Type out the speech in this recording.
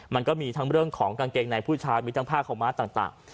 มันก็มีทั้งเรื่องของกางเกงในผู้ชายมีทั้งผ้าขาวม้าต่าง